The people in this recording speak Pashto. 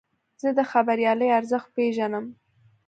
زه د خبریالۍ ارزښت پېژنم.